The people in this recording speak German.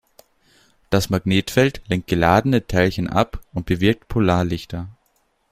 Das Magnetfeld lenkt geladene Teilchen ab und bewirkt Polarlichter.